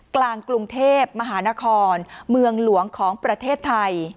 กลางกรุงเทพมหานครเมืองหลวงของประเทศไทย